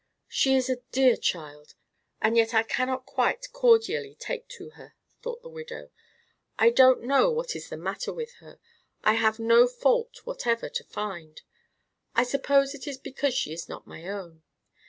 She is a dear child, and yet I cannot quite cordially take to her," thought the widow. "I don't know what is the matter with her. I have no fault whatever to find. I suppose it is because she is not my own.